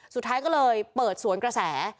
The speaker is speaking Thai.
สุดท้ายก็เลยเปิดสวนกระแส